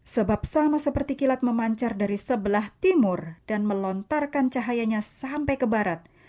sebab sama seperti kilat memancar dari sebelah timur dan melontarkan cahayanya sampai ke barat